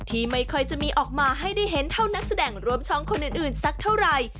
ที่ไม่ค่อยจะมีออกมาให้ได้เห็นเท่านักแสดงรวมช่องคนอื่นสักเท่าไหร่